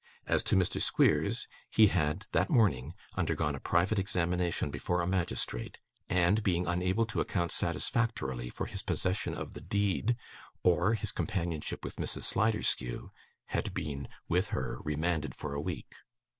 As to Mr. Squeers, he had, that morning, undergone a private examination before a magistrate; and, being unable to account satisfactorily for his possession of the deed or his companionship with Mrs. Sliderskew, had been, with her, remanded for a week.